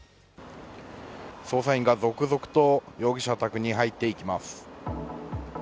捜査員が続々と容疑者宅に入っていきます。